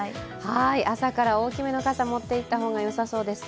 朝から大きめの傘、持っていった方がよさそうです。